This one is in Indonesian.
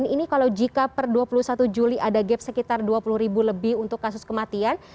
ini kalau jika per dua puluh satu juli ada gap sekitar dua puluh ribu lebih untuk kasus kematian